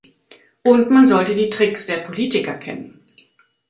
Und man sollte die Tricks der Politiker kennen.